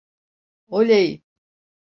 Oley!